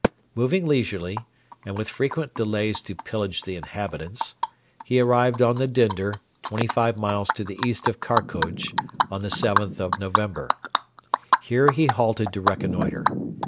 Moving leisurely, and with frequent delays to pillage the inhabitants, he arrived on the Dinder, twenty five miles to the east of Karkoj, on the 7th of November. Here he halted to reconnoitre.